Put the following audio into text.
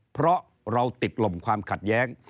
เพราะเราติดลมความขัดแย้ง